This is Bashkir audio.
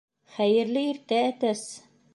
— Хәйерле иртә, әтәс!